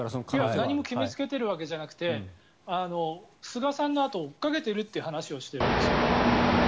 何も決めつけてるわけじゃなくて菅さんのあとを追っかけてるという話をしてるんですよ。